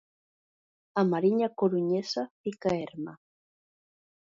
A Mariña coruñesa fica erma.